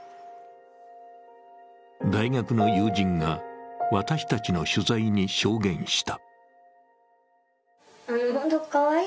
大学の友人が私たちの取材に証言した。